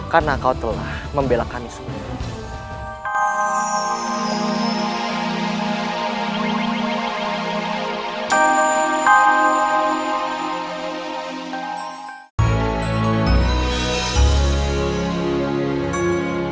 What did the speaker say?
karena kau telah membelakani semua